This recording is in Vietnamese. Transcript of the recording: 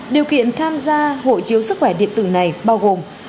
điều kiện tham gia hộ chiếu sức khỏe điện tử này bao gồm